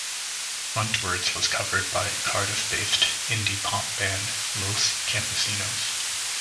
"Frontwards" was covered by Cardiff-based indie-pop band Los Campesinos!